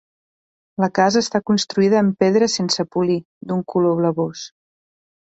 La casa està construïda en pedra sense polir, d'un color blavós.